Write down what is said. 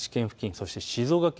そして静岡県、